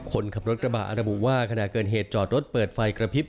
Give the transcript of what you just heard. คนขับรถกระบะอาระบุว่าขณะเกิดเหตุจอดรถเปิดไฟกระพริบ